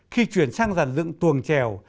khi chuyển sang dàn dựng tuồng trèo